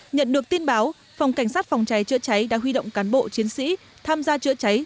nhận được tin báo phòng cảnh sát phòng cháy chữa cháy đã huy động cán bộ chiến sĩ tham gia chữa cháy